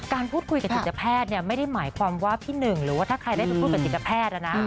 การพูดคุยกับจิตแพทย์ไม่ได้หมายความว่าพี่หนึ่งหรือว่าถ้าใครได้ไปพูดกับจิตแพทย์นะนะ